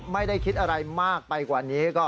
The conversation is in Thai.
ไม่ได้คิดอะไรมากไปกว่านี้